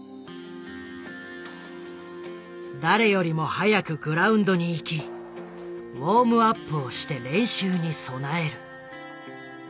誰よりも早くグラウンドに行きウォームアップをして練習に備える。